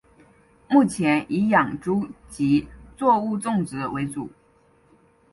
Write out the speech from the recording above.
目前以养猪及作物种植为主。